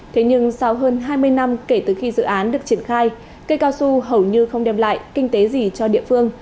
thế nhưng sau hơn hai mươi năm kể từ khi dự án được triển khai cây cao su hầu như không đem lại kinh tế gì cho địa phương